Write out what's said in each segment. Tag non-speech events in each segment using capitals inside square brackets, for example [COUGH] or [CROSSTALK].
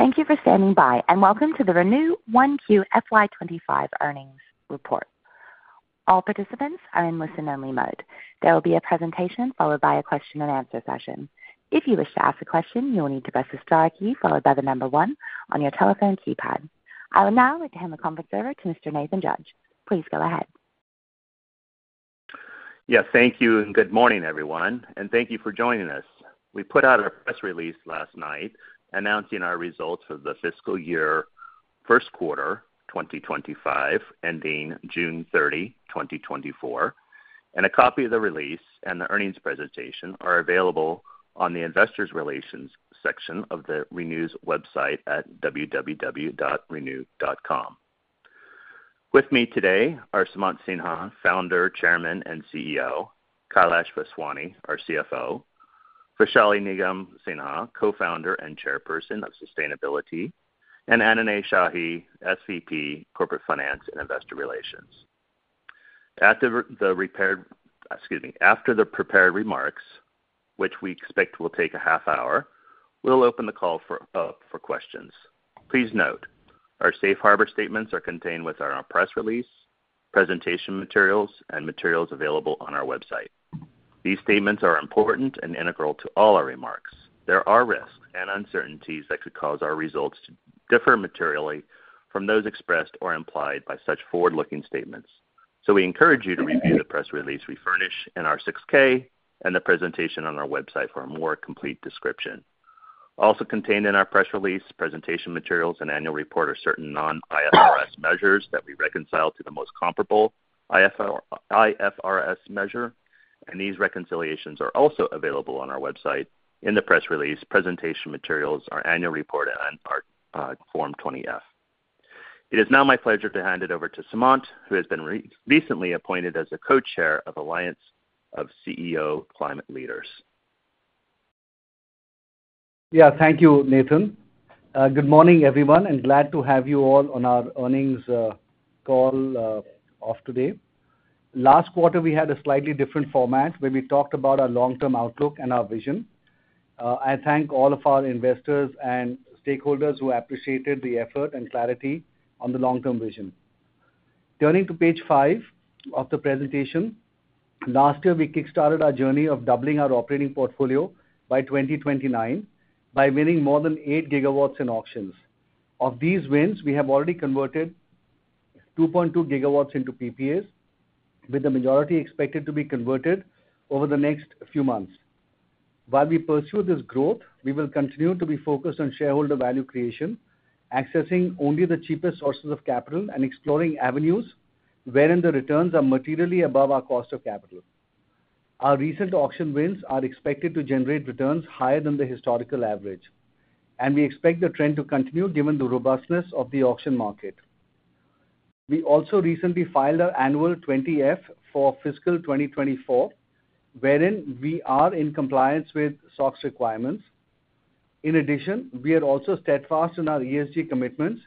Thank you for standing by, and welcome to the ReNew 1Q FY 2025 earnings report. All participants are in listen-only mode. There will be a presentation followed by a question-and-answer session. If you wish to ask a question, you will need to press the star key followed by the number one on your telephone keypad. I will now hand the conference over to Mr. Nathan Judge. Please go ahead. Yeah, thank you, and good morning, everyone, and thank you for joining us. We put out a press release last night announcing our results for the fiscal year first quarter 2025, ending June 30th, 2024 and a copy of the release and the earnings presentation are available on the Investor Relations section of the ReNew's website at www.renew.com. With me today are Sumant Sinha, Founder, Chairman, and CEO, Kailash Vaswani, our CFO, Vaishali Nigam Sinha, Co-founder and Chairperson of Sustainability, and Anunay Shahi, SVP, Corporate Finance and Investor Relations. After the prepared remarks, which we expect will take a half hour, we'll open the call for questions. Please note, our Safe Harbor statements are contained within our press release, presentation materials, and materials available on our website. These statements are important and integral to all our remarks. There are risks and uncertainties that could cause our results to differ materially from those expressed or implied by such forward-looking statements. So we encourage you to review the press release we furnish in our 6-K and the presentation on our website for a more complete description. Also contained in our press release, presentation materials, and annual report are certain non-IFRS measures that we reconcile to the most comparable IFRS measure, and these reconciliations are also available on our website in the press release, presentation materials, our annual report, and our Form 20-F. It is now my pleasure to hand it over to Sumant, who has been recently appointed as the co-chair of Alliance of CEO Climate Leaders. Yeah, thank you, Nathan. Good morning, everyone, and glad to have you all on our earnings call of today. Last quarter, we had a slightly different format where we talked about our long-term outlook and our vision. I thank all of our investors and stakeholders who appreciated the effort and clarity on the long-term vision. Turning to page five of the presentation, last year, we kickstarted our journey of doubling our operating portfolio by 2029 by winning more than 8GW in auctions. Of these wins, we have already converted 2.2GW into PPAs, with the majority expected to be converted over the next few months. While we pursue this growth, we will continue to be focused on shareholder value creation, accessing only the cheapest sources of capital and exploring avenues wherein the returns are materially above our cost of capital. Our recent auction wins are expected to generate returns higher than the historical average, and we expect the trend to continue given the robustness of the auction market. We also recently filed our annual 20-F for fiscal 2024, wherein we are in compliance with SOX requirements. In addition, we are also steadfast in our ESG commitments,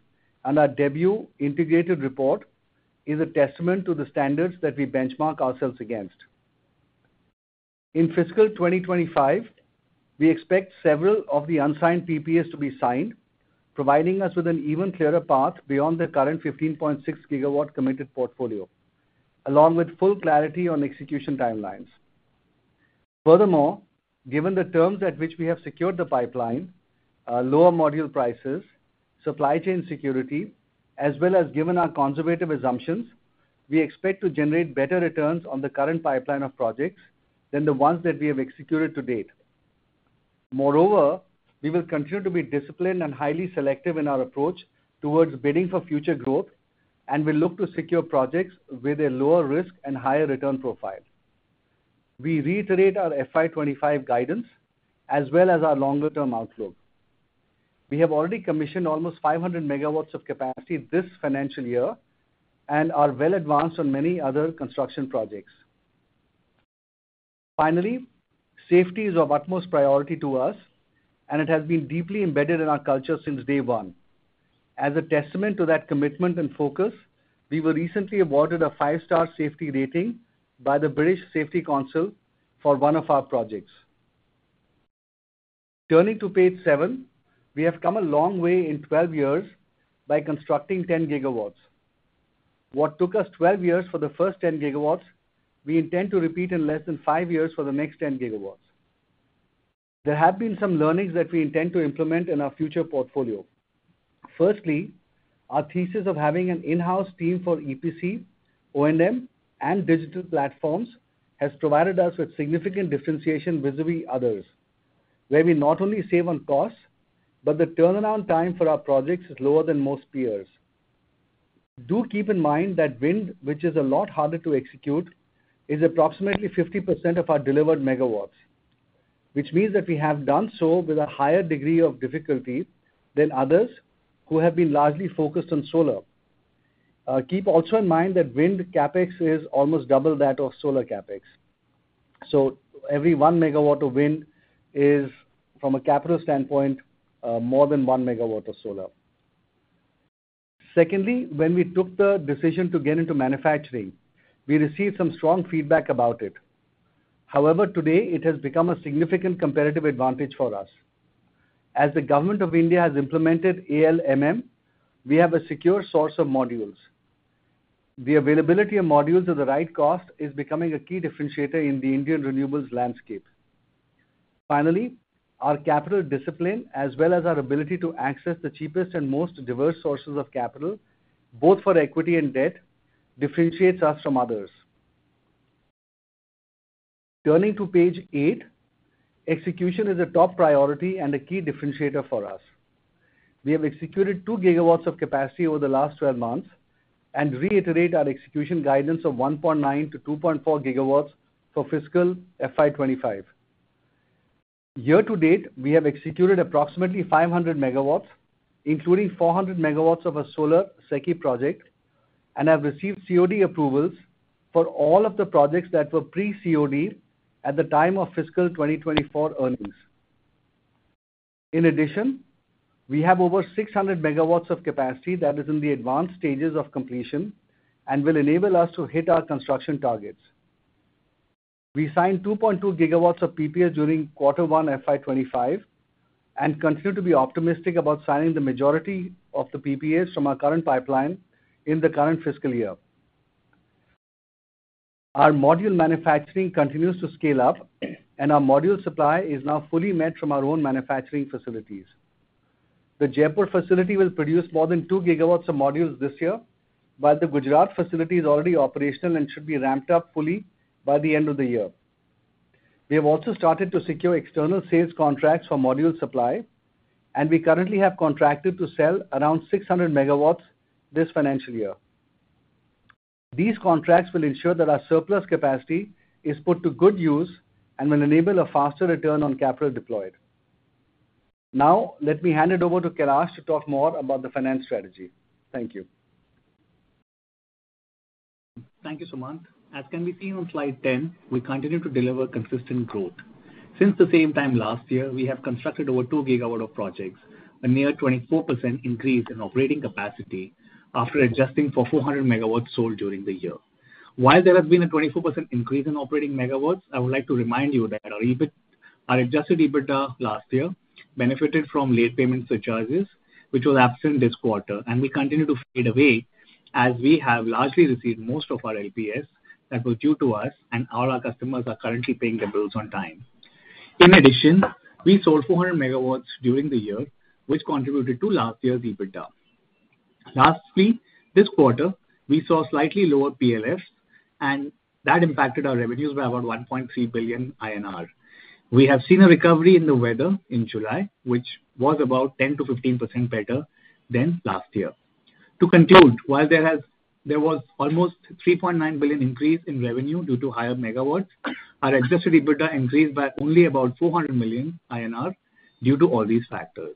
and our debut integrated report is a testament to the standards that we benchmark ourselves against. In fiscal 2025, we expect several of the unsigned PPAs to be signed, providing us with an even clearer path beyond the current 15.6GW committed portfolio, along with full clarity on execution timelines. Furthermore, given the terms at which we have secured the pipeline, our lower module prices, supply chain security, as well as given our conservative assumptions, we expect to generate better returns on the current pipeline of projects than the ones that we have executed to date. Moreover, we will continue to be disciplined and highly selective in our approach towards bidding for future growth, and we look to secure projects with a lower risk and higher return profile. We reiterate our FY 2025 guidance as well as our longer-term outlook. We have already commissioned almost 500MW of capacity this financial year and are well advanced on many other construction projects. Finally, safety is of utmost priority to us, and it has been deeply embedded in our culture since day one. As a testament to that commitment and focus, we were recently awarded a five-star safety rating by the British Safety Council for one of our projects. Turning to page 7, we have come a long way in 12 years by constructing 10GW. What took us 12 years for the first 10GW, we intend to repeat in less than 5 years for the next 10GW. There have been some learnings that we intend to implement in our future portfolio. Firstly, our thesis of having an in-house team for EPC, O&M, and digital platforms has provided us with significant differentiation vis-à-vis others, where we not only save on costs, but the turnaround time for our projects is lower than most peers. Do keep in mind that wind, which is a lot harder to execute, is approximately 50% of our delivered megawatts, which means that we have done so with a higher degree of difficulty than others who have been largely focused on solar. Keep also in mind that wind CapEx is almost double that of solar CapEx. So every one megawatt of wind is, from a capital standpoint, more than one megawatt of solar. Secondly, when we took the decision to get into manufacturing, we received some strong feedback about it. However, today it has become a significant competitive advantage for us. As the government of India has implemented ALMM, we have a secure source of modules. The availability of modules at the right cost is becoming a key differentiator in the Indian renewables landscape. Finally, our capital discipline, as well as our ability to access the cheapest and most diverse sources of capital, both for equity and debt, differentiates us from others. Turning to page 8, execution is a top priority and a key differentiator for us. We have executed 2GW of capacity over the last 12 months, and reiterate our execution guidance of 1.9-2.4GW for fiscal FY 2025. Year to date, we have executed approximately 500MW, including 400MW of a solar SECI project, and have received COD approvals for all of the projects that were pre-COD at the time of fiscal 2024 earnings. In addition, we have over 600MW of capacity that is in the advanced stages of completion and will enable us to hit our construction targets. We signed 2.2GW of PPA during quarter one, FY 2025, and continue to be optimistic about signing the majority of the PPAs from our current pipeline in the current fiscal year. Our module manufacturing continues to scale up, and our module supply is now fully met from our own manufacturing facilities. The Jaipur facility will produce more than 2GW of modules this year, while the Gujarat facility is already operational and should be ramped up fully by the end of the year. We have also started to secure external sales contracts for module supply, and we currently have contracted to sell around 600MW this financial year. These contracts will ensure that our surplus capacity is put to good use and will enable a faster return on capital deployed. Now, let me hand it over to Kailash to talk more about the finance strategy. Thank you. Thank you, Sumant. As can be seen on slide 10, we continue to deliver consistent growth. Since the same time last year, we have constructed over 2GW of projects, a near 24% increase in operating capacity after adjusting for 400MW sold during the year. While there has been a 24% increase in operating megawatts, I would like to remind you that our EBIT, our adjusted EBITDA last year benefited from late payment surcharges, which was absent this quarter, and will continue to fade away as we have largely received most of our LPS that were due to us, and all our customers are currently paying their bills on time. In addition, we sold 400MW during the year, which contributed to last year's EBITDA. Lastly, this quarter, we saw slightly lower PLFs, and that impacted our revenues by about 1.3 billion INR. We have seen a recovery in the weather in July, which was about 10%-15% better than last year. To conclude, while there was almost 3.9 billion increase in revenue due to higher megawatts, our adjusted EBITDA increased by only about 400 million INR due to all these factors.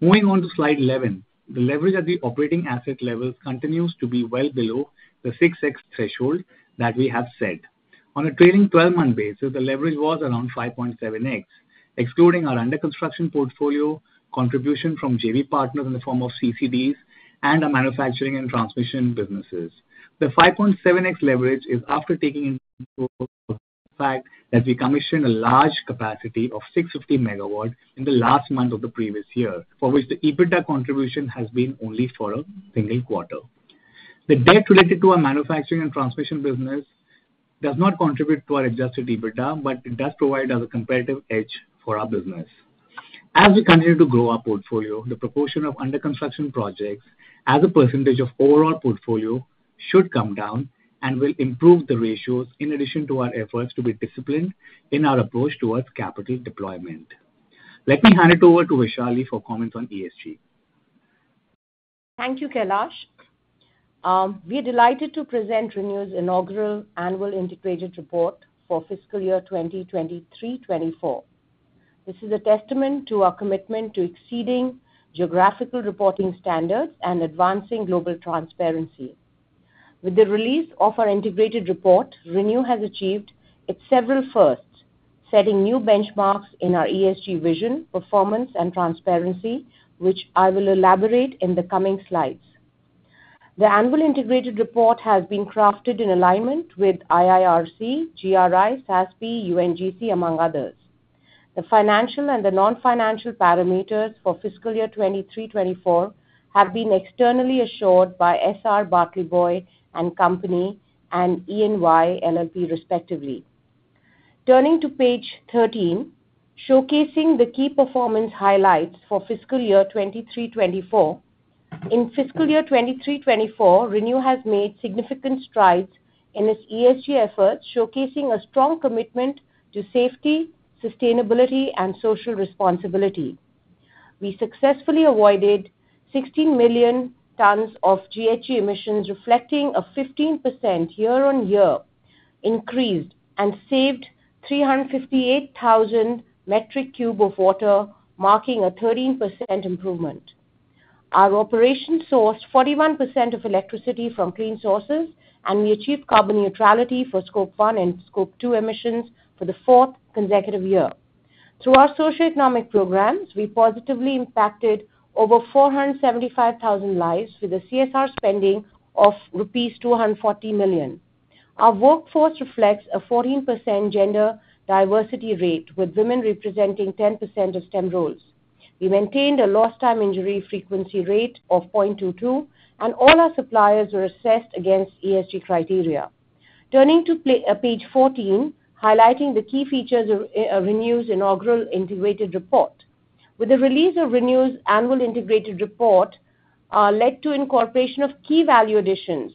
Moving on to slide 11. The leverage at the operating asset level continues to be well below the 6x threshold that we have set. On a trailing 12-month basis, the leverage was around 5.7x, excluding our under construction portfolio, contribution from JV partners in the form of CCDs and our manufacturing and transmission businesses. The 5.7x leverage is after taking into account that we commissioned a large capacity of 650MW in the last month of the previous year, for which the EBITDA contribution has been only for a single quarter. The debt related to our manufacturing and transmission business does not contribute to our adjusted EBITDA, but it does provide us a competitive edge for our business. As we continue to grow our portfolio, the proportion of under construction projects as a percentage of overall portfolio should come down and will improve the ratios, in addition to our efforts to be disciplined in our approach towards capital deployment. Let me hand it over to Vaishali for comments on ESG. Thank you, Kailash. We are delighted to present ReNew's inaugural Annual Integrated Report for fiscal year 2023-2024. This is a testament to our commitment to exceeding GRI reporting standards and advancing global transparency. With the release of our integrated report, ReNew has achieved its several firsts, setting new benchmarks in our ESG vision, performance, and transparency, which I will elaborate in the coming slides. The Annual Integrated Report has been crafted in alignment with IIRC, GRI, SASB, UNGC, among others. The financial and the non-financial parameters for fiscal year 2023-2024 have been externally assured by S.R. Batliboi and Company and EY LLP, respectively. Turning to page 13, showcasing the key performance highlights for fiscal year 2023-2024. In fiscal year3023-2024, ReNew has made significant strides in its ESG efforts, showcasing a strong commitment to safety, sustainability, and social responsibility. We successfully avoided 16 million tons of GHG emissions, reflecting a 15% year-on-year increase, and saved 358,000 cubic meters of water, marking a 13% improvement. Our operation sourced 41% of electricity from clean sources, and we achieved carbon neutrality for Scope 1 and Scope 2 emissions for the fourth consecutive year. Through our socioeconomic programs, we positively impacted over 475,000 lives with a CSR spending of rupees 240 million. Our workforce reflects a 14% gender diversity rate, with women representing 10% of STEM roles. We maintained a lost time injury frequency rate of 0.22, and all our suppliers were assessed against ESG criteria. Turning to page 14, highlighting the key features of ReNew's inaugural integrated report. With the release of ReNew's annual integrated report, led to incorporation of key value additions.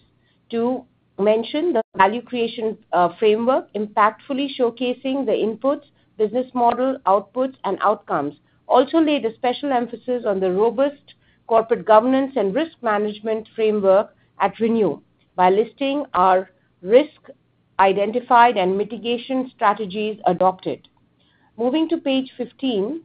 To mention, the value creation, framework impactfully showcasing the inputs, business model, outputs, and outcomes. Also laid a special emphasis on the robust corporate governance and risk management framework at ReNew, by listing our risk identified and mitigation strategies adopted. Moving to page 15,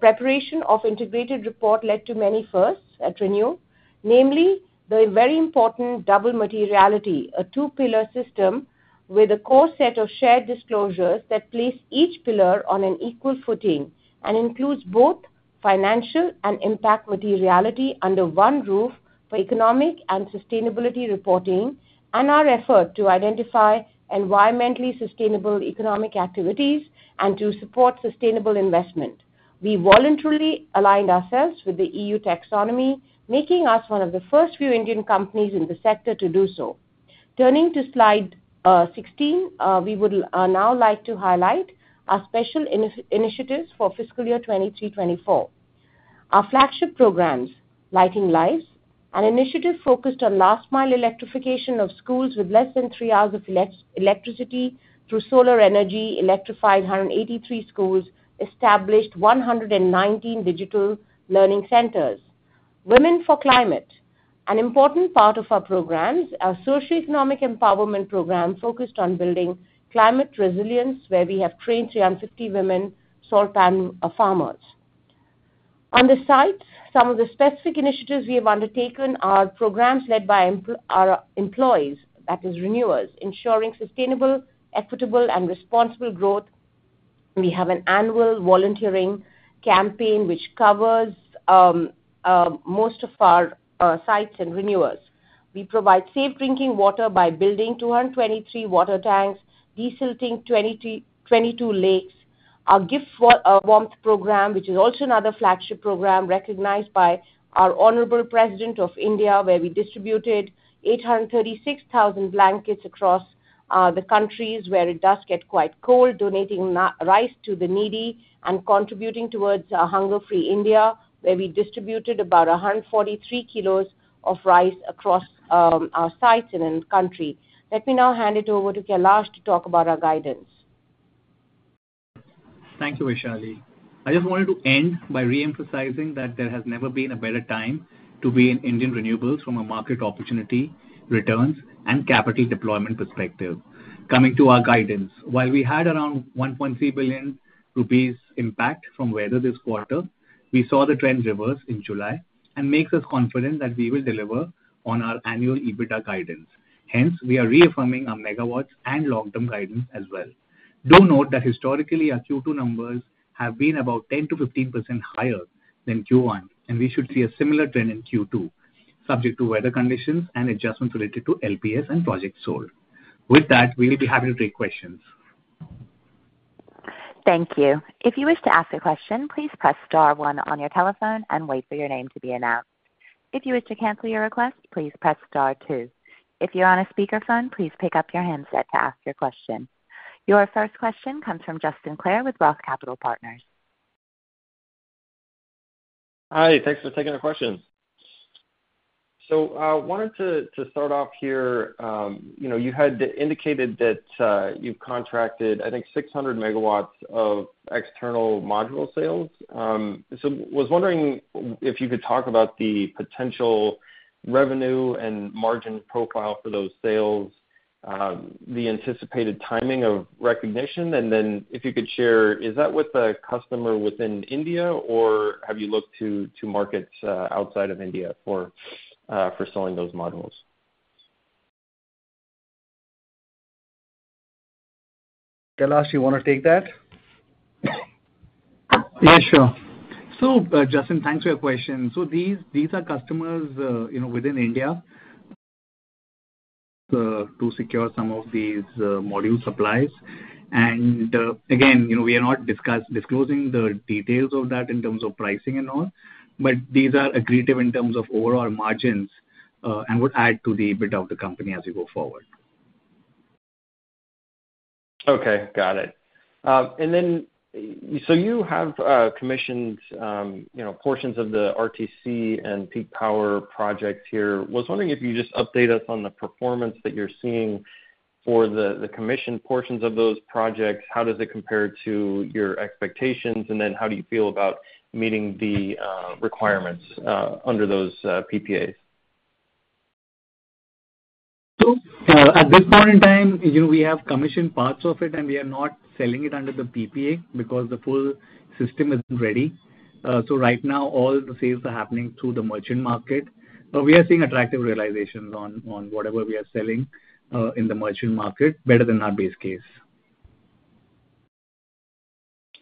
preparation of integrated report led to many firsts at ReNew, namely the very important double materiality, a two-pillar system with a core set of shared disclosures that place each pillar on an equal footing, and includes both financial and impact materiality under one roof for economic and sustainability reporting, and our effort to identify environmentally sustainable economic activities and to support sustainable investment. We voluntarily aligned ourselves with the EU Taxonomy, making us one of the first few Indian companies in the sector to do so. Turning to slide 16, we would now like to highlight our special initiatives for fiscal year 2023-2024. Our flagship programs, Lighting Lives, an initiative focused on last-mile electrification of schools with less than three hours of electricity through solar energy, electrified 183 schools, established 119 digital learning centers. Women for Climate, an important part of our programs, our socioeconomic empowerment program focused on building climate resilience, where we have trained 350 women salt farmers. On the site, some of the specific initiatives we have undertaken are programs led by our employees, that is ReNewers, ensuring sustainable, equitable, and responsible growth. We have an annual volunteering campaign, which covers most of our sites and ReNewers. We provide safe drinking water by building 223 water tanks, desilting 22 lakes. Our Gift for Warmth program, which is also another flagship program recognized by our Honorable President of India, where we distributed 836,000 blankets across the countries where it does get quite cold, donating rice to the needy, and contributing towards a hunger-free India, where we distributed about 143 kilos of rice across our sites and in the country. Let me now hand it over to Kailash to talk about our guidance. Thank you, Vaishali. I just wanted to end by re-emphasizing that there has never been a better time to be in Indian renewables from a market opportunity, returns, and capital deployment perspective. Coming to our guidance, while we had around 1.3 billion rupees impact from weather this quarter, we saw the trend reverse in July and makes us confident that we will deliver on our annual EBITDA guidance. Hence, we are reaffirming our megawatts and long-term guidance as well. Do note that historically, our Q2 numbers have been about 10%-15% higher than Q1, and we should see a similar trend in Q2, subject to weather conditions and adjustments related to LPS and projects sold. With that, we will be happy to take questions. Thank you. If you wish to ask a question, please press star one on your telephone and wait for your name to be announced. If you wish to cancel your request, please press star two. If you're on a speakerphone, please pick up your handset to ask your question. Your first question comes from Justin Clare with Roth Capital Partners. Hi, thanks for taking the question. Wanted to start off here, you know, you had indicated that you've contracted, I think, 600MW of external module sales. Was wondering if you could talk about the potential revenue and margin profile for those sales, the anticipated timing of recognition, and then if you could share, is that with a customer within India, or have you looked to markets outside of India for selling those modules? Kailash, you wanna take that? Yeah, sure. So, Justin, thanks for your question. So these are customers, you know, within India, to secure some of these module supplies. And, again, you know, we are not disclosing the details of that in terms of pricing and all, but these are accretive in terms of overall margins, and would add to the EBITDA of the company as we go forward. Okay, got it. And then, so you have commissioned, you know, portions of the RTC and Peak Power project here. Was wondering if you could just update us on the performance that you're seeing for the commissioned portions of those projects? How does it compare to your expectations? And then how do you feel about meeting the requirements under those PPAs? At this point in time, you know, we have commissioned parts of it, and we are not selling it under the PPA, because the full system isn't ready. So right now, all the sales are happening through the merchant market, but we are seeing attractive realizations on whatever we are selling in the merchant market, better than our base case.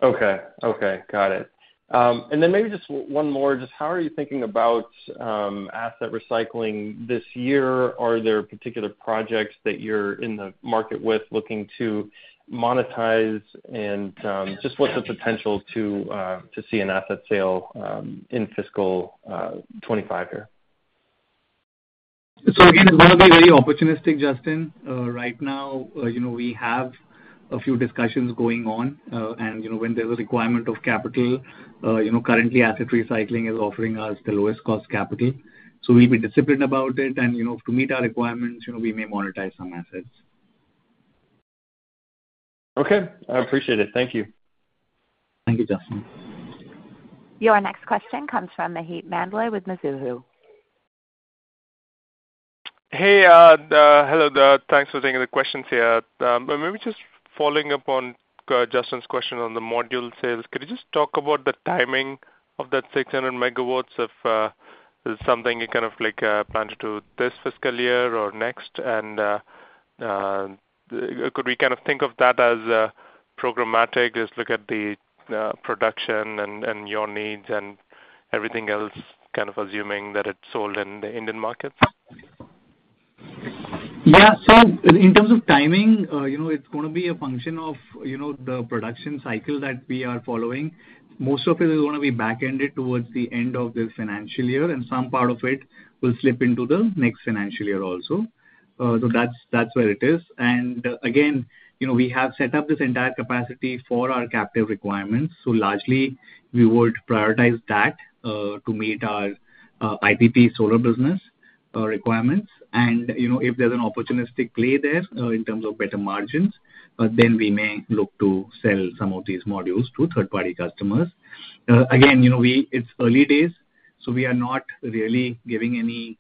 Okay. Okay, got it. And then maybe just one more. Just how are you thinking about asset recycling this year? Are there particular projects that you're in the market with looking to monetize? And just what's the potential to see an asset sale in fiscal 2025 year? So again, it's gonna be very opportunistic, Justin. Right now, you know, we have a few discussions going on, and, you know, when there's a requirement of capital, you know, currently asset recycling is offering us the lowest cost capital. So we'll be disciplined about it, and, you know, to meet our requirements, you know, we may monetize some assets. Okay, I appreciate it. Thank you. Thank you, Justin. Your next question comes from Maheep Mandloi with Mizuho. Hey, hello there. Thanks for taking the questions here, but maybe just following up on Justin's question on the module sales, could you just talk about the timing of that 600MW of something you kind of like planned to do this fiscal year or next? And could we kind of think of that as a programmatic just look at the production and your needs and everything else, kind of assuming that it's sold in the Indian markets? Yeah. So in terms of timing, you know, it's gonna be a function of, you know, the production cycle that we are following. Most of it is gonna be back-ended towards the end of this financial year, and some part of it will slip into the next financial year also. So that's where it is. And again, you know, we have set up this entire capacity for our captive requirements. So largely, we would prioritize that to meet our IPP solar business requirements. And, you know, if there's an opportunistic play there in terms of better margins, but then we may look to sell some of these modules to third-party customers. Again, you know, we - it's early days, so we are not really giving any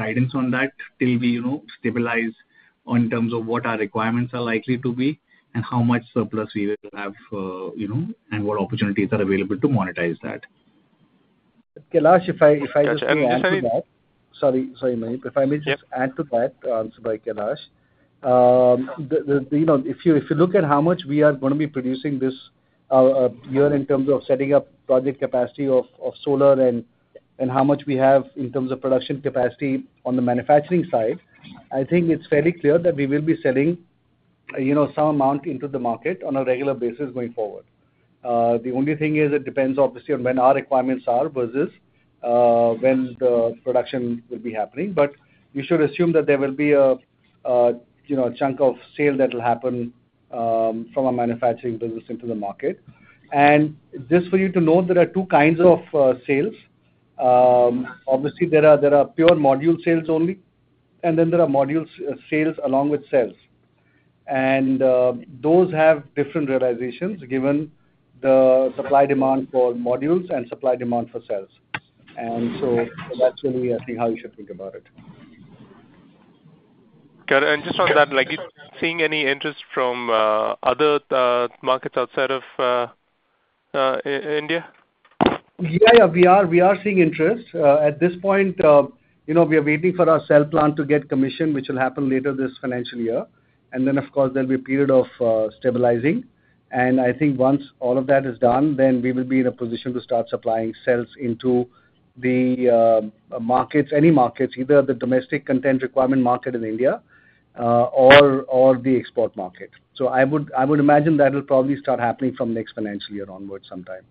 guidance on that till we, you know, stabilize on terms of what our requirements are likely to be and how much surplus we will have, you know, and what opportunities are available to monetize that. Kailash, if I just add to that. Sorry, sorry, Maheep. Yep. If I may just add to that, answered by Kailash. The you know, if you look at how much we are gonna be producing this year in terms of setting up project capacity of solar and how much we have in terms of production capacity on the manufacturing side, I think it's fairly clear that we will be selling, you know, some amount into the market on a regular basis going forward. The only thing is it depends obviously on when our requirements are versus when the production will be happening. But we should assume that there will be a you know, a chunk of sale that will happen from our manufacturing business into the market. And just for you to know, there are two kinds of sales. Obviously, there are pure module sales only, and then there are module sales along with cells. And those have different realizations, given the supply-demand for modules and supply demand for cells. And so that's really, I think, how you should think about it. Got it. And just on that, like, are you seeing any interest from other markets outside of India? Yeah, we are seeing interest. At this point, you know, we are waiting for our cell plant to get commissioned, which will happen later this financial year. And then, of course, there'll be a period of stabilizing. And I think once all of that is done, then we will be in a position to start supplying cells into the markets, any markets, either the domestic content requirement market in India, or the export market. So I would imagine that will probably start happening from next financial year onwards sometime.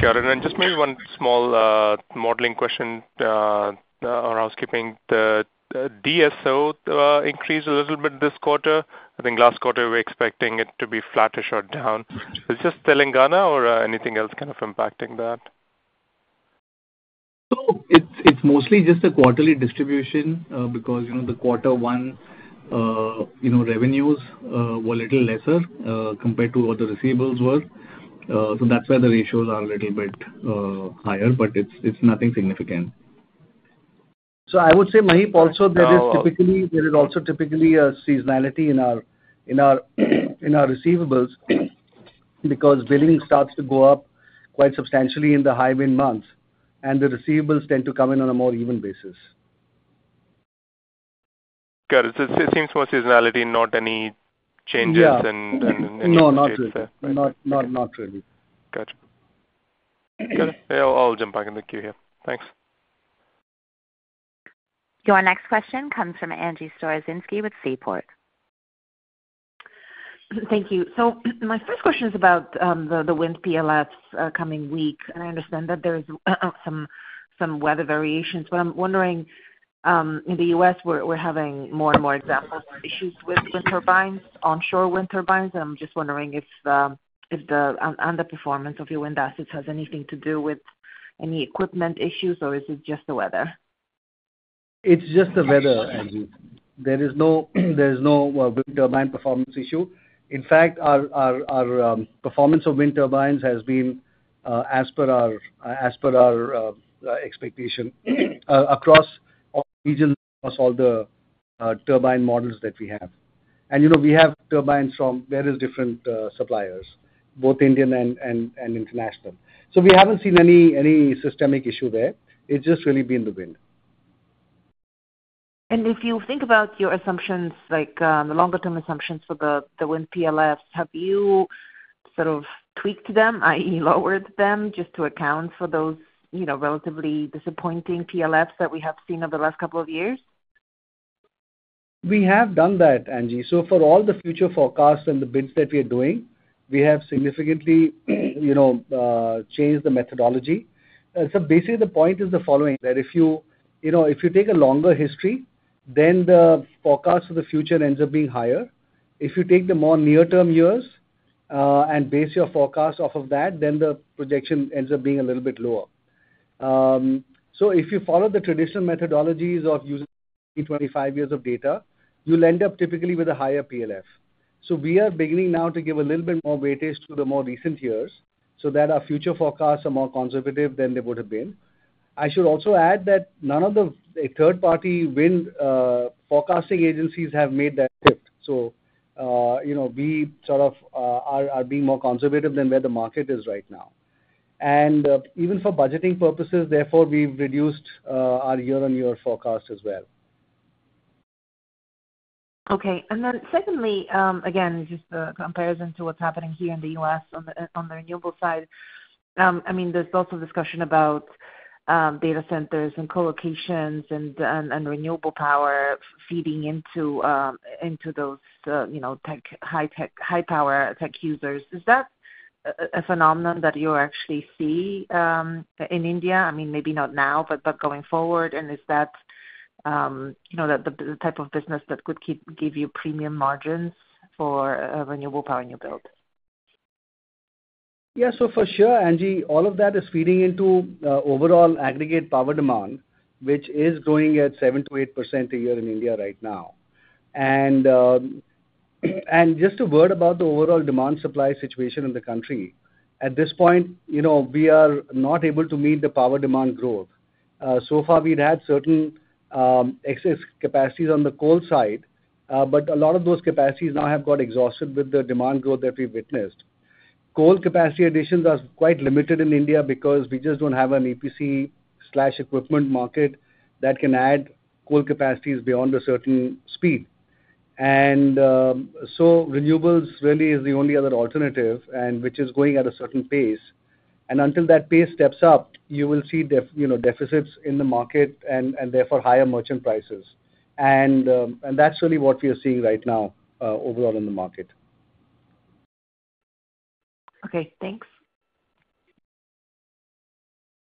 Got it. And just maybe one small, modeling question, around housekeeping. The, DSO, increased a little bit this quarter. I think last quarter, we're expecting it to be flatter or down. Is this Telangana or, anything else kind of impacting that? So it's mostly just a quarterly distribution, because, you know, the quarter one, you know, revenues were a little lesser compared to what the receivables were. So that's why the ratios are a little bit higher, but it's nothing significant. So I would say, Maheep, also, there is typically--there is also typically a seasonality in our receivables, because billing starts to go up quite substantially in the high wind months, and the receivables tend to come in on a more even basis. Got it. So it seems more seasonality, not any changes and... No, not really. Got you. Got it. I'll jump back in the queue here. Thanks. Your next question comes from Angie Storozynski with Seaport. Thank you. So my first question is about the wind PLFs coming week. And I understand that there is some weather variations. But I'm wondering, in the U.S., we're having more and more examples of issues with wind turbines, onshore wind turbines. I'm just wondering if the underperformance of your wind assets has anything to do with any equipment issues, or is it just the weather? It's just the weather, Angie. There is no wind turbine performance issue. In fact, our performance of wind turbines has been as per our expectation across all regions, across all the turbine models that we have. And, you know, we have turbines from various different suppliers, both Indian and international. So we haven't seen any systemic issue there. It's just really been the wind. If you think about your assumptions, like, the longer-term assumptions for the wind PLFs, have you sort of tweaked them, i.e., lowered them, just to account for those, you know, relatively disappointing PLFs that we have seen over the last couple of years? We have done that, Angie. So for all the future forecasts and the bids that we are doing, we have significantly, you know, changed the methodology. So basically, the point is the following: that if you, you know, if you take a longer history, then the forecast for the future ends up being higher. If you take the more near-term years and base your forecast off of that, then the projection ends up being a little bit lower. So if you follow the traditional methodologies of using 25 years of data, you'll end up typically with a higher PLF. So we are beginning now to give a little bit more weightage to the more recent years, so that our future forecasts are more conservative than they would have been. I should also add that none of the third-party wind forecasting agencies have made that shift. So, you know, we sort of are being more conservative than where the market is right now. And even for budgeting purposes, therefore, we've reduced our year-on-year forecast as well. Okay, and then secondly, again, just a comparison to what's happening here in the US on the, on the renewable side. I mean, there's lots of discussion about, data centers and co-locations and, and renewable power feeding into, into those, you know, tech, high tech, high power tech users. Is that a phenomenon that you actually see, in India? I mean, maybe not now, but going forward, and is that, you know, the type of business that could give you premium margins for, renewable power in your build? Yeah. So for sure, Angie, all of that is feeding into overall aggregate power demand, which is growing at 7%-8% a year in India right now. And just a word about the overall demand supply situation in the country. At this point, you know, we are not able to meet the power demand growth. So far we've had certain excess capacities on the coal side, but a lot of those capacities now have got exhausted with the demand growth that we've witnessed. Coal capacity additions are quite limited in India because we just don't have an EPC/equipment market that can add coal capacities beyond a certain speed. And so renewables really is the only other alternative, and which is growing at a certain pace. And until that pace steps up, you will see def...you know, deficits in the market and therefore higher merchant prices. That's really what we are seeing right now overall in the market. Okay, thanks.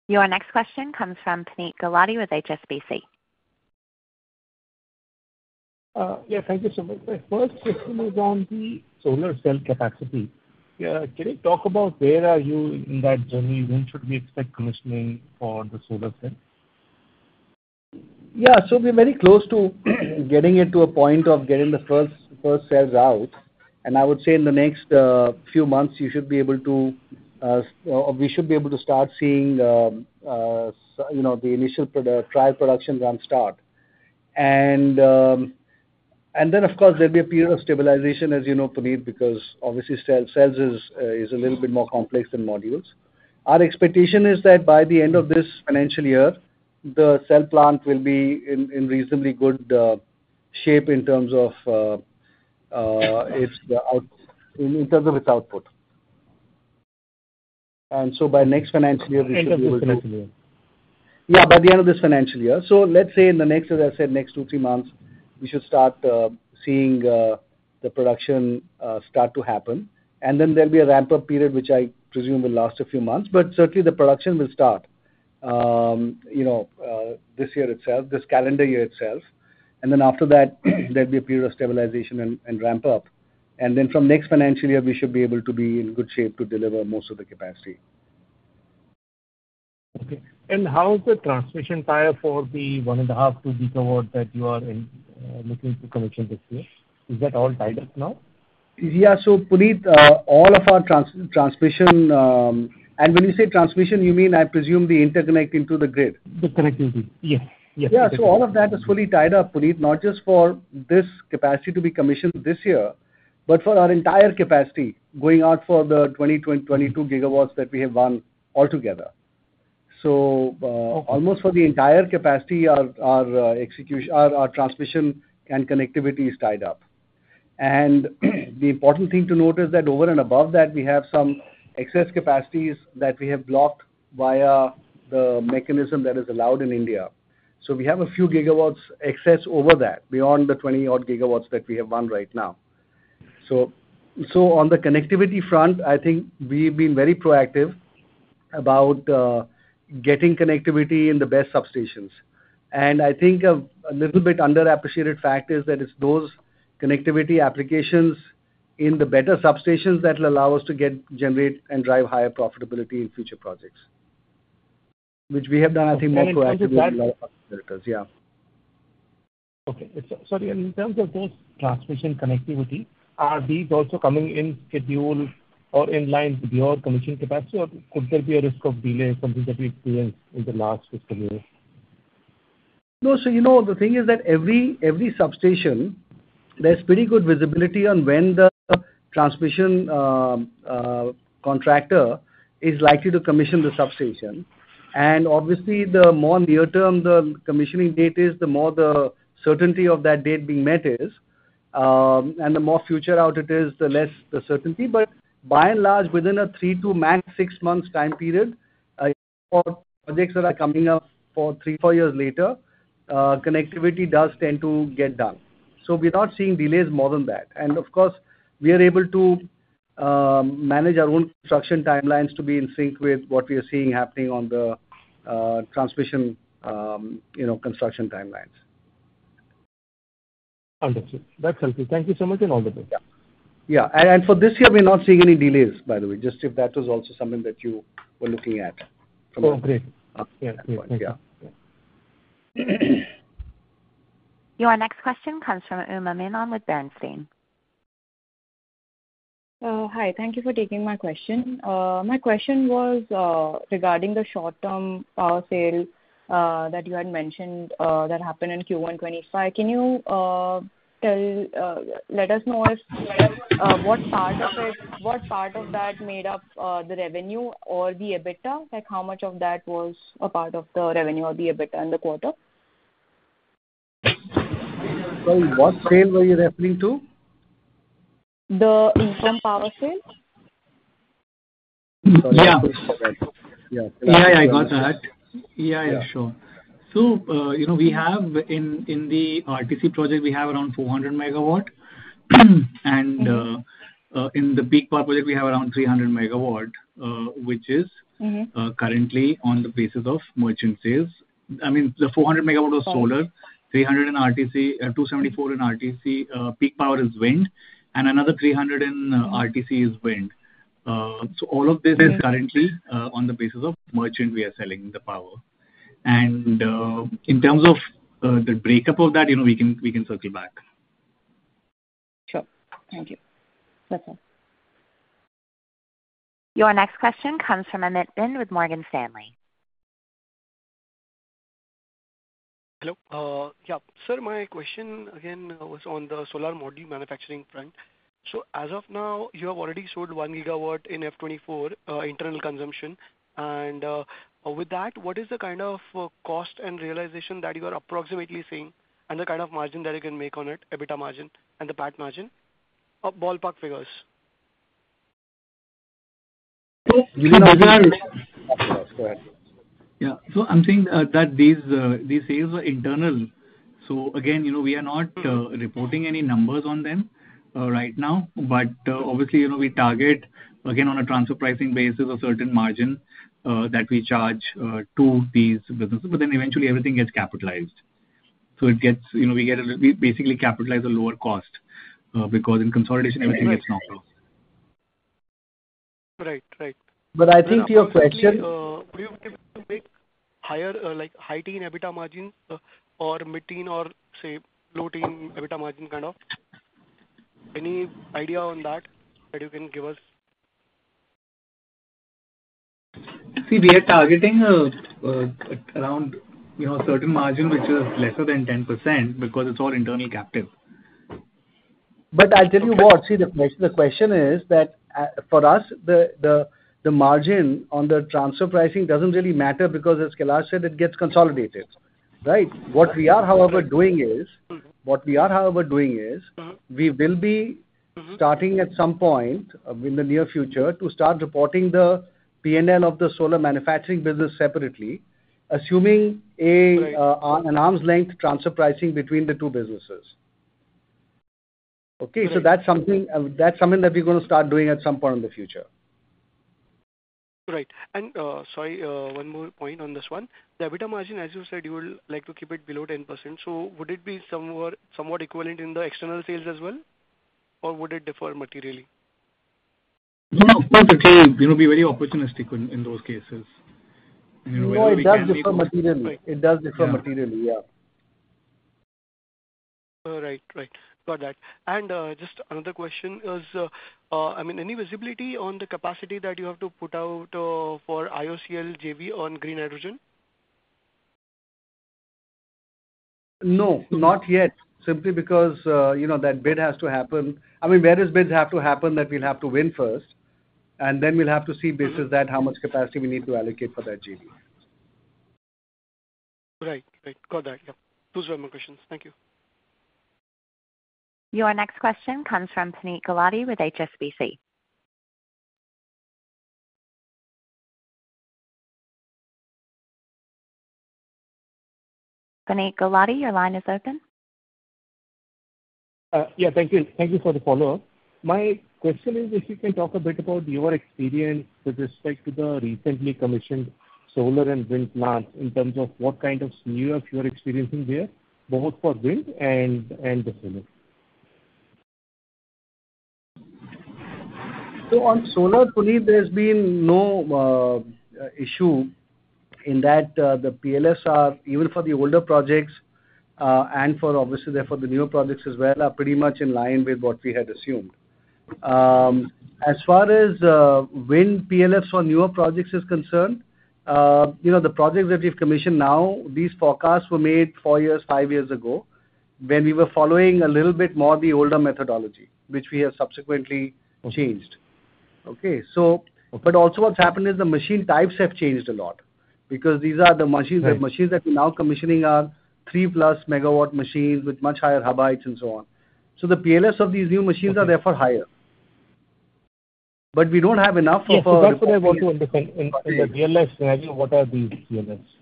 Your next question comes from Puneet Gulati with HSBC. Yeah, thank you so much. My first question is on the solar cell capacity. Can you talk about where are you in that journey? When should we expect commissioning for the solar cell? Yeah. So we're very close to getting it to a point of getting the first cells out. And I would say in the next few months, you should be able to or we should be able to start seeing you know the initial trial production run start. And then, of course, there'll be a period of stabilization, as you know, Puneet, because obviously, cells is a little bit more complex than modules. Our expectation is that by the end of this financial year, the cell plant will be in reasonably good shape in terms of its output. And so by next financial year, we should be able to- End of this financial year. Yeah, by the end of this financial year. So let's say in the next, as I said, next two, three months, we should start seeing the production start to happen. And then there'll be a ramp-up period, which I presume will last a few months, but certainly the production will start, you know, this year itself, this calendar year itself. And then after that, there'll be a period of stabilization and, and ramp up. And then from next financial year, we should be able to be in good shape to deliver most of the capacity. Okay. And how is the transmission tie-up for the 1.5-2GW that you are looking to commission this year? Is that all tied up now? Yeah. So, Puneet, all of our transmission. And when you say transmission, you mean, I presume, the interconnect into the grid? The connectivity. Yes. Yes. Yeah, so all of that is fully tied up, Puneet, not just for this capacity to be commissioned this year, but for our entire capacity going out for the 22GW that we have won altogether. So... Almost for the entire capacity, our transmission and connectivity is tied up. And the important thing to note is that over and above that, we have some excess capacities that we have blocked via the mechanism that is allowed in India. So we have a few gigawatts excess over that, beyond the 20-odd gigawatts that we have won right now. So on the connectivity front, I think we've been very proactive about getting connectivity in the best substations. And I think a little bit underappreciated fact is that it's those connectivity applications in the better substations that will allow us to get, generate, and drive higher profitability in future projects, which we have done, I think, more proactively than a lot of other developers. Yeah. Okay. So, sorry, and in terms of those transmission connectivity, are these also coming on schedule or in line with your commissioned capacity, or could there be a risk of delay, something that we experienced in the last fiscal year? No, so you know, the thing is that every substation, there's pretty good visibility on when the transmission contractor is likely to commission the substation. And obviously, the more near-term the commissioning date is, the more the certainty of that date being met is. And the more future out it is, the less the certainty. But by and large, within a three to max six months time period, for projects that are coming up for three, four years later, connectivity does tend to get done. So we're not seeing delays more than that. And of course, we are able to manage our own construction timelines to be in sync with what we are seeing happening on the transmission, you know, construction timelines. Understood. That's helpful. Thank you so much, and all the best. Yeah. Yeah, and, and for this year, we're not seeing any delays, by the way, just if that was also something that you were looking at. Oh, great. Yeah. Thank you. Yeah. Your next question comes from Uma Menon with Bernstein. Hi, thank you for taking my question. My question was regarding the short-term power sale that you had mentioned that happened in Q1 2025. Can you let us know if what part of it - what part of that made up the revenue or the EBITDA? Like, how much of that was a part of the revenue or the EBITDA in the quarter? Sorry, what sale were you referring to? The interim power sale. Yeah. Yeah. Yeah, I got that. Yeah, sure. So, you know, we have in the RTC project around 400MW. And in the peak power project, we have around 300MW, which is- Mm-hmm. Currently on the basis of merchant sales. I mean, the 400MW of solar, 300 in RTC, 274 in RTC, peak power is wind, and another 300 in RTC is wind. So all of this is currently on the basis of merchant; we are selling the power. In terms of the breakup of that, you know, we can circle back. Sure. Thank you. That's all. Your next question comes from Amit Bhinde with Morgan Stanley. Hello. Yeah. Sir, my question again was on the solar module manufacturing front. So as of now, you have already sold 1GW in FY '24, internal consumption. And, with that, what is the kind of cost and realization that you are approximately seeing, and the kind of margin that you can make on it, EBITDA margin and the PAT margin? Ballpark figures. Go ahead. Yeah. So I'm saying that these sales are internal. So again, you know, we are not reporting any numbers on them right now, but obviously, you know, we target, again, on a transfer pricing basis, a certain margin that we charge to these businesses. But then eventually everything gets capitalized. So it gets... You know, we get a, we basically capitalize a lower cost because in consolidation, everything gets knocked off. Right. Right. But I think to your question- Do you make higher, like, high teen EBITDA margin or mid-teen or, say, low-teen EBITDA margin, kind of? Any idea on that, that you can give us? See, we are targeting around, you know, a certain margin which is lesser than 10%, because it's all internal captive. But I'll tell you what. See, the question is that, for us, the margin on the transfer pricing doesn't really matter because as Kailash said, it gets consolidated, right? What we are, however, doing is--what we are, however, doing is we will be starting at some point in the near future, to start reporting the P&L of the solar manufacturing business separately, assuming A, an arm's length transfer pricing between the two businesses. Okay? Right. So that's something that we're going to start doing at some point in the future. Right, and, sorry, one more point on this one. The EBITDA margin, as you said, you would like to keep it below 10%. So would it be somewhat equivalent in the external sales as well, or would it differ materially? No, of course, it will, you know, be very opportunistic in those cases. No, it does differ materially. Right. It does differ materially. Yeah. Yeah. Right. Right. Got that. And, I mean, any visibility on the capacity that you have to put out for IOCL JV on green hydrogen? No, not yet. Simply because, you know, that bid has to happen. I mean, various bids have to happen that we'll have to win first, and then we'll have to see, based on that, how much capacity we need to allocate for that JV. Right. Right. Got that. Yeah. Those were my questions. Thank you. Your next question comes from Puneet Gulati with HSBC. Puneet Gulati, your line is open. Yeah, thank you. Thank you for the follow-up. My question is, if you can talk a bit about your experience with respect to the recently commissioned solar and wind plants, in terms of what kind of [INAUDIBLE] you are experiencing there, both for wind and the solar? So on solar, Puneet, there's been no issue in that the LPS are even for the older projects, and for obviously therefore the newer projects as well, are pretty much in line with what we had assumed. As far as when PLFs on newer projects is concerned, you know, the projects that we've commissioned now, these forecasts were made four years, five years ago, when we were following a little bit more the older methodology, which we have subsequently changed. Okay? So- Okay. But also what's happened is the machine types have changed a lot, because these are the machines. Right. The machines that we're now commissioning are three plus megawatt machines with much higher hub heights and so on. So the PLFs of these new machines are therefore higher. But we don't have enough of a- Yes, that's what I want to understand. In the real-life scenario, what are these PLFs?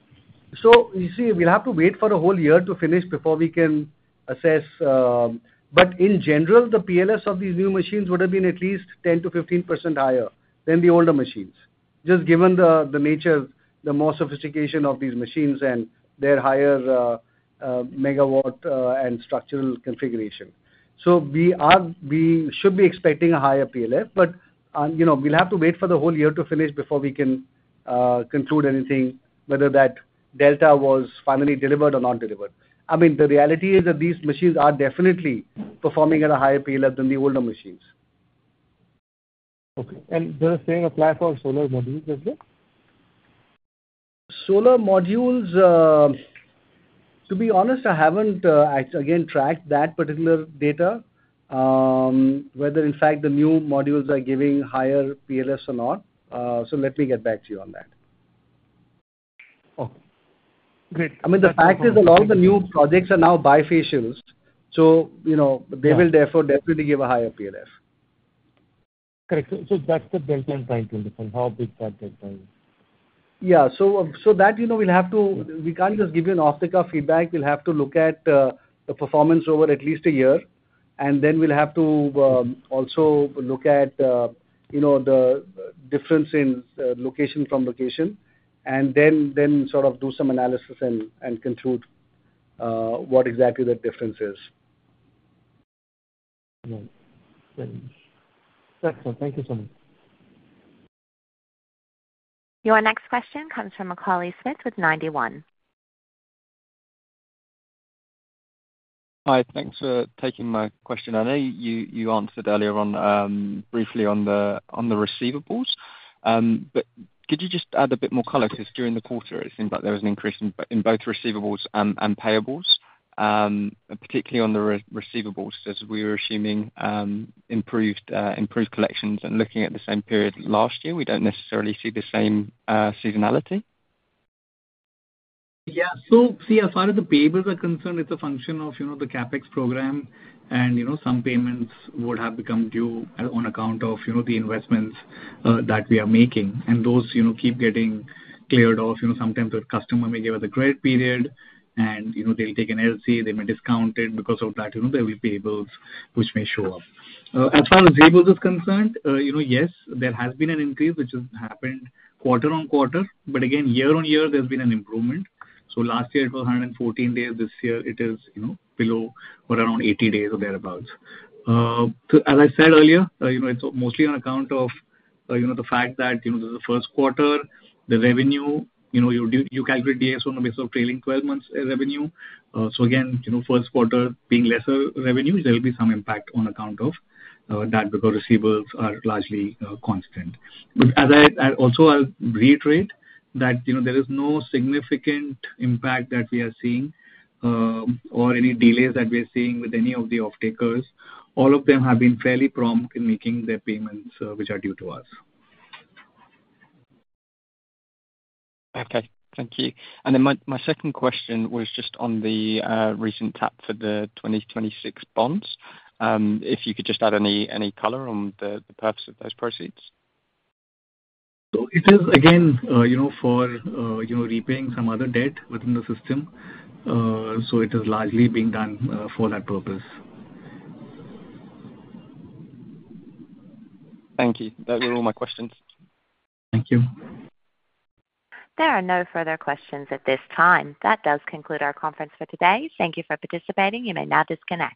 So you see, we'll have to wait for a whole year to finish before we can assess, but in general, the PLFs of these new machines would have been at least 10%-15% higher than the older machines, just given the nature, the more sophistication of these machines and their higher megawatt and structural configuration. So we should be expecting a higher PLF, but you know, we'll have to wait for the whole year to finish before we can conclude anything, whether that delta was finally delivered or not delivered. I mean, the reality is that these machines are definitely performing at a higher PLF than the older machines. Okay. And the same apply for solar modules as well? Solar modules, to be honest, I haven't, again, tracked that particular data, whether in fact the new modules are giving higher PLFs or not. So let me get back to you on that. Okay. Great. I mean, the fact is that a lot of the new projects are now bifacials, so, you know, they will therefore definitely give a higher PLF. Correct. So that's the delta I'm trying to understand, how big that delta is. Yeah. So, you know, we'll have to. We can't just give you an off-the-cuff feedback. We'll have to look at the performance over at least a year, and then we'll have to also look at you know, the difference in location from location, and then sort of do some analysis and conclude what exactly the difference is. Right. Thanks. That's all. Thank you so much. Your next question comes from Macauley Smith with Ninety One. Hi, thanks for taking my question. I know you answered earlier on briefly on the receivables, but could you just add a bit more color? Because during the quarter, it seemed like there was an increase in both receivables and payables, particularly on the receivables, as we were assuming improved collections. And looking at the same period last year, we don't necessarily see the same seasonality. Yeah. So see, as far as the payables are concerned, it's a function of, you know, the CapEx program, and, you know, some payments would have become due on account of, you know, the investments that we are making. And those, you know, keep getting cleared off. You know, sometimes the customer may give us a credit period and, you know, they'll take an LC, they may discount it. Because of that, you know, there will be payables which may show up. As far as receivables is concerned, you know, yes, there has been an increase, which has happened quarter on quarter, but again, year on year, there's been an improvement. So last year it was a hundred and fourteen days, this year it is, you know, below or around eighty days or thereabout. So as I said earlier, you know, it's mostly on account of, you know, the fact that, you know, this is the first quarter, the revenue, you know. You calculate DSO on the basis of trailing twelve months revenue. So again, you know, first quarter being lesser revenue, there will be some impact on account of that, because receivables are largely constant. But as I also I'll reiterate that, you know, there is no significant impact that we are seeing, or any delays that we are seeing with any of the offtakers. All of them have been fairly prompt in making their payments, which are due to us. Okay, thank you. And then my second question was just on the recent tap for the 2026 bonds. If you could just add any color on the purpose of those proceeds. So it is again, you know, for, you know, repaying some other debt within the system. So it is largely being done, for that purpose. Thank you. Those were all my questions. Thank you. There are no further questions at this time. That does conclude our conference for today. Thank you for participating. You may now disconnect.